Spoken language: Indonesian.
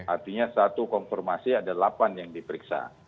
artinya satu konfirmasi ada delapan yang diperiksa